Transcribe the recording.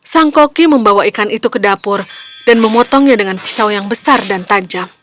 sang koki membawa ikan itu ke dapur dan memotongnya dengan pisau yang besar dan tajam